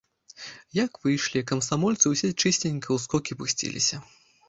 Як выйшлі, камсамольцы ўсе чысценька ў скокі пусціліся.